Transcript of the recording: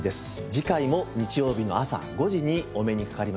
次回も日曜日の朝５時にお目にかかりましょう。